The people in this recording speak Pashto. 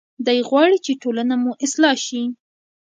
دی غواړي چې ټولنه مو اصلاح شي.